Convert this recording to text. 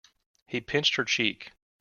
He pinched her cheek.